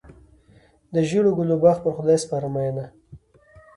د ژړو ګلو باغ پر خدای سپارم مینه.